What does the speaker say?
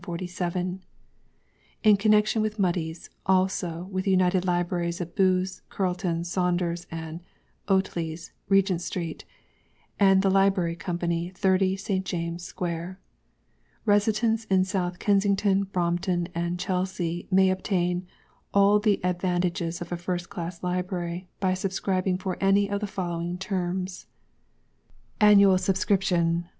In connexion with MUDIEŌĆÖS, also with the united LIBRARIES of BOOTHS, CHURTONŌĆÖS, SAUNDERS and OTLEYŌĆÖS, Regent street, and the LIBRARY COMPANY, 30, St. JamesŌĆÖs square. Residents in South Kensington, Brompton, and Chelsea, may obtain all the advantages of a First Class Library, by subscribing for any of the following Terms:ŌĆö 1 Vol.